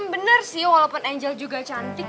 bener sih walaupun angel juga cantik